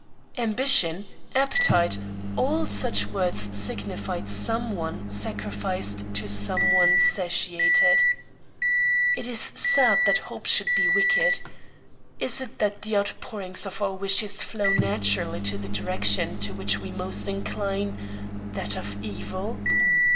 Ambition, appetite all such words signify some one sacrificed to some one satiated. It is sad that hope should be wicked. Is it that the outpourings of our wishes flow naturally to the direction to which we most incline that of evil?